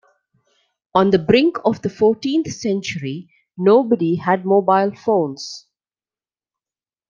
On the brink of the fourteenth century, nobody had mobile phones.